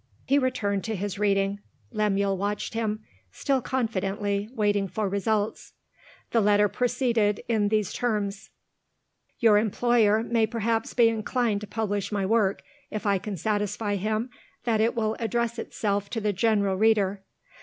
He returned to his reading. Lemuel watched him still confidently waiting for results. The letter proceeded in these terms: "Your employer may perhaps be inclined to publish my work, if I can satisfy him that it will address itself to the general reader.